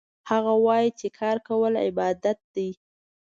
هغه وایي چې کار کول عبادت ده